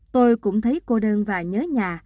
tôi cũng thấy cô đơn và nhớ nhà